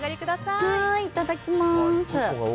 いただきます。